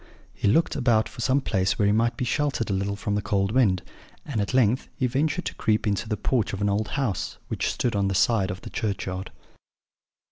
He looked about for some place where he might be sheltered a little from the cold wind; and at length he ventured to creep into the porch of an old house, which stood on one side of the churchyard.